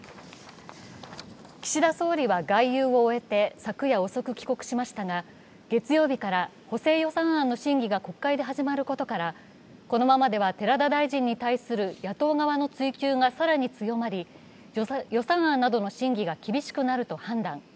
岸田総理は外遊を終えて昨夜遅く帰国しましたが月曜日から補正予算案の審議が国会で始まることからこのままでは寺田大臣に対する野党側の追及が更に強まり予算案などの審議が厳しくなると判断。